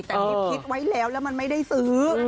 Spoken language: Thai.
แต่มีพิษไว้แล้วแล้วมันไม่ได้ซื้อ